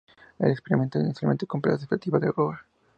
El experimento inicialmente cumplió las expectativas de Aurora.